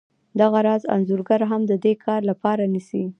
دغه راز انځورګر هم د دې کار لپاره نیسي